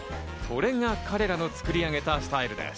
これが彼らの作り上げたスタイルです。